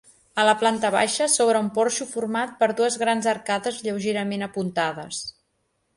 A la planta baixa s'obre un porxo format per dues grans arcades lleugerament apuntades.